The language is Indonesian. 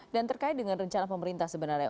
dan terkait dengan rencana pemerintah sebenarnya